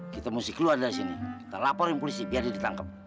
kita mesti keluar dari sini kita laporin polisi biar dia ditangkap